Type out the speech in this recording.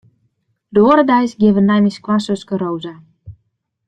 De oare deis geane wy nei myn skoansuske Rosa.